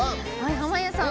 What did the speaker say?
濱家さん